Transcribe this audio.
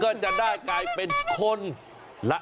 ก็จะได้กลายเป็นคนละ